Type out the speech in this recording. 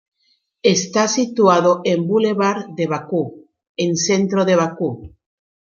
Está situado en Bulevar de Bakú, en centro de Bakú.